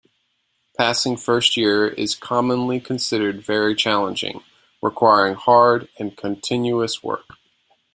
Passing first year is commonly considered very challenging, requiring hard and continuous work.